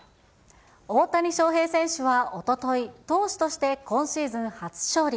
大谷翔平選手は、おととい、投手として今シーズン初勝利。